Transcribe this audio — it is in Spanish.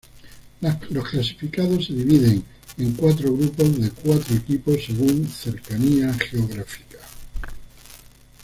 Los clasificados se dividen en cuatro grupos de cuatro equipos según cercanía geográfica.